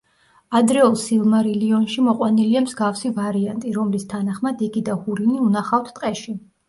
ადრეულ „სილმარილიონში“ მოყვანილია მსგავსი ვარიანტი, რომლის თანახმად იგი და ჰურინი უნახავთ ტყეში.